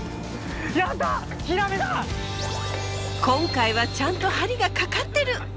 今回はちゃんと針がかかってる！